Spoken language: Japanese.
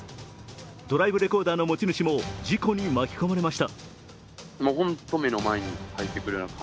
ドライブレコーダーの持ち主も事故に巻き込まれました。